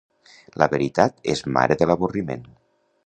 La veritat és mare de l'avorriment.